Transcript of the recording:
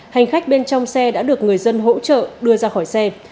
hành khách bên trong xe đã được người dân hỗ trợ đưa ra khỏi xe